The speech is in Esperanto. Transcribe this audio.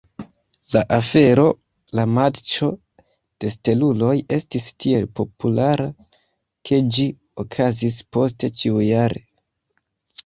La afero, la Matĉo de Steluloj, estis tiel populara ke ĝi okazis poste ĉiujare.